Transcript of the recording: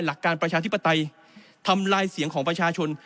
หลักการประชาธิปไตยทำลายเสียงของประชาชน